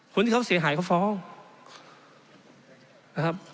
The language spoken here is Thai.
คนที่เขาเสียหายเขาฟ้องนะครับ